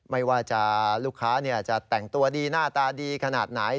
ไม่ว่าลูกค้าจะแต่งตัวดีหน้าตาดีขนาดไหน